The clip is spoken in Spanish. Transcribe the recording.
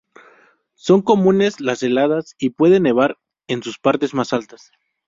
Son comunes las heladas y puede nevar en sus partes más altas.